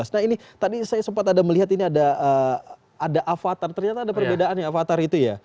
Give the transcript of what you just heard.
nah ini tadi saya sempat ada melihat ini ada avatar ternyata ada perbedaan ya avatar itu ya